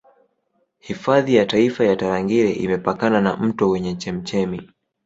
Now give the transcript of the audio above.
Hifadhi ya taifa ya Tarangire imepakana na mto wenye chemchemi